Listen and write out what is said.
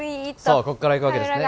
そうこっからいくわけですね